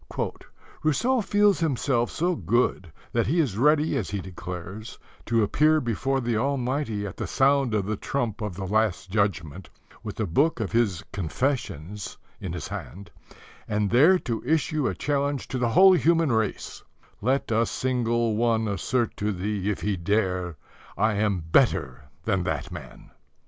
"Rousseau feels himself so good that he is ready, as he declares, to appear before the Almighty at the sound of the trump of the Last Judgment, with the book of his Confessions in his hand, and there to issue a challenge to the whole human race, 'Let a single one assert to Thee if he dare: "I am better than that man."'"